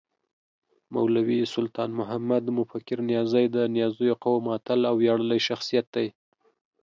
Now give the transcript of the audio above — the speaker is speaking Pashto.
مولوي سلطان محمد مفکر نیازی د نیازيو قوم اتل او وياړلی شخصیت دی